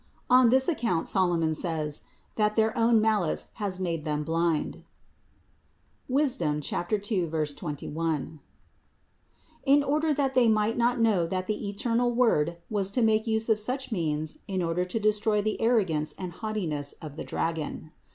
On this account Solomon says, that their own malice has made them blind (Sap. 2, 21), in order that they might not know that the eternal Word was to make use of such means in order to destroy the arro gance and haughtiness of the dragon.